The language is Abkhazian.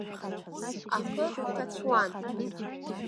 Ахы ҭацәуан.